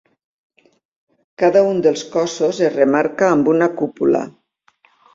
Cada un dels cossos es remarca amb una cúpula.